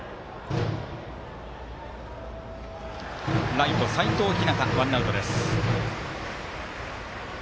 ライト、齋藤陽がとってワンアウトです。